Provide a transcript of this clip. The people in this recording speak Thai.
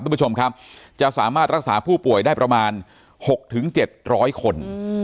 คุณผู้ชมครับจะสามารถรักษาผู้ป่วยได้ประมาณ๖๗๐๐คน